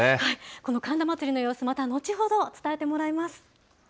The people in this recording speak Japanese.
この神田祭の様子、また後ほど伝えてもらいます。